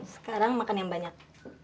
sekarang makan yang banyak